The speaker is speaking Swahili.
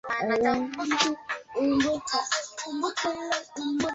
Mlima wa pili kwa ukubwa Tanzania ni Mlima Meru